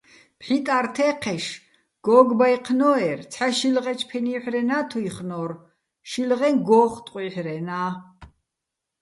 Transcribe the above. ფჰ̦იტა́რ თე́ჴეშ გოგბაჲჴნო́ერ, ცჰ̦ა შილღეჩო̆ ფენივჰ̦რენა́ თუ́ჲხნო́რ, შილღეჼ - გო́ხტყუჲჰ̦რენა́.